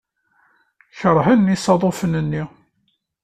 Keṛhen isaḍufen-nni.